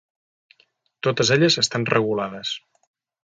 Totes elles estan regulades.